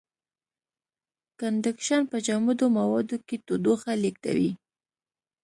کنډکشن په جامدو موادو کې تودوخه لېږدوي.